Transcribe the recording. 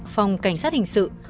phòng cảnh sát hình sự